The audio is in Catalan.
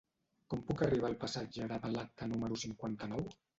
Com puc arribar al passatge de Malacca número cinquanta-nou?